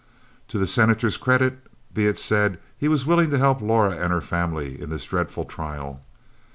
To the Senator's credit be it said, he was willing to help Laura and her family in this dreadful trial.